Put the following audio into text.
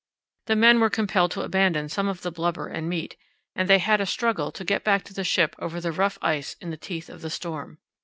The men were compelled to abandon some of the blubber and meat, and they had a struggle to get back to the ship over the rough ice in the teeth of the storm.